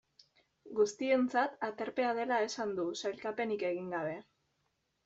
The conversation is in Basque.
Guztientzat aterpea dela esan du, sailkapenik egin gabe.